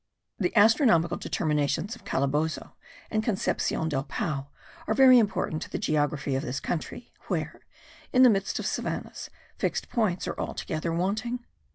The astronomical determinations of Calabozo and Concepcion del Pao are very important to the geography of this country, where, in the midst of savannahs, fixed points are altogether wanting.